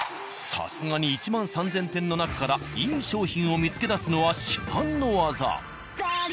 さすがに１万３０００点の中からいい商品を見つけ出すのは至難の業。